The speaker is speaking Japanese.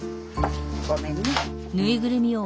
ごめんね。